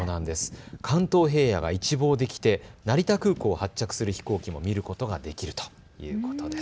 関東平野が一望できて成田空港を発着する飛行機も見ることができるということです。